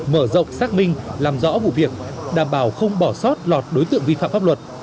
mở rộng xác minh làm rõ vụ việc đảm bảo không bỏ sót lọt đối tượng vi phạm pháp luật